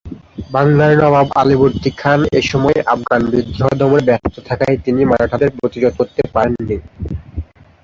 বাংলার নবাব আলীবর্দী খান এসময় আফগান বিদ্রোহ দমনে ব্যস্ত থাকায় তিনি মারাঠাদের প্রতিরোধ করতে পারেন নি।